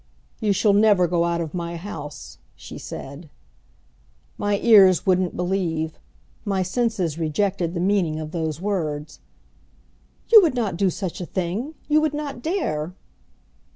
"You shall never go out of my house," she said. My ears wouldn't believe, my senses rejected the meaning of those words. "You would not do such a thing you would not dare!"